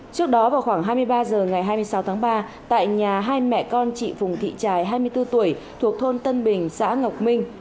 trước đó vào khoảng hai mươi ba h ngày hai mươi sáu tháng ba tại nhà hai mẹ con chị phùng thị trải hai mươi bốn tuổi thuộc thôn tân bình xã ngọc minh